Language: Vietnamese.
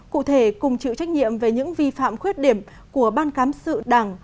cụ thể cùng chịu trách nhiệm về những vi phạm khuyết điểm của ban cán sự đảng